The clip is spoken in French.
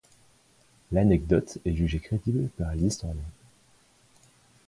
L’anecdote est jugée crédible par les historiens.